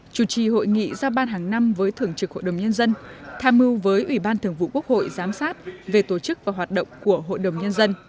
chủ trì hội nghị ra ban hàng năm với thường trực hội đồng nhân dân tham mưu với ủy ban thường vụ quốc hội giám sát về tổ chức và hoạt động của hội đồng nhân dân